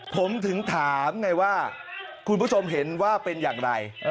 ผมถึงถามไงว่าคุณผู้ชมเห็นว่าเป็นอย่างไร